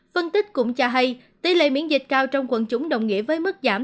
phân tích cũng cho hay tỷ lệ miễn dịch cao trong quận chủng đồng nghĩa với mức giảm